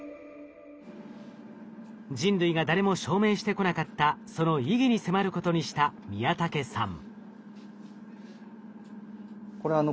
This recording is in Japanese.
人類が誰も証明してこなかったその意義に迫ることにした宮竹さん。